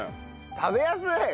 食べやすい！